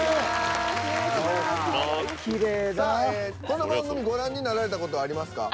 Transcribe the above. この番組ご覧になられた事はありますか？